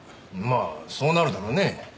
まあそうなるだろうね。